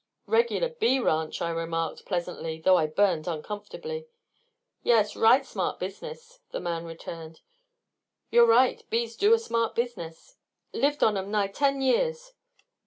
"Regular bee ranch," I remarked, pleasantly, though I burned uncomfortably. "Yas. Right smart business," the man returned. "You're right; bees do a smart business." "Lived on 'em nigh ten years."